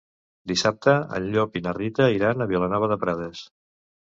Dissabte en Llop i na Rita iran a Vilanova de Prades.